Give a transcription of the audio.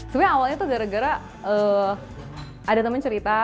sebenarnya awalnya tuh gara gara ada teman cerita